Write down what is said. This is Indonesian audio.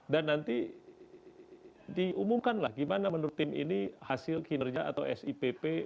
dan nanti diumumkan lah gimana menurut tim ini hasil kinerja atau sipp